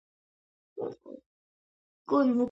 დაამთავრა არტილერიის სკოლა.